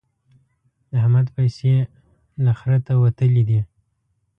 د احمد پيسې له خرته وتلې دي.